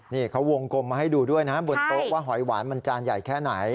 นี่เขาวงกลมมาให้ดูด้วยนะบนโต๊ะว่าหอยหวานมันจานใหญ่แค่ไหน